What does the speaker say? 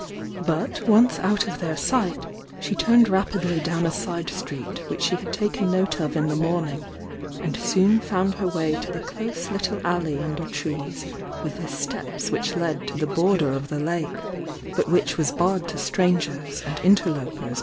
But once out of their sight she turned rapidly down a side street which she had taken note of in the morning, and soon found her way to the close little alley under trees with the steps which led to the border of the lake, but which was barred to strangers and interlopers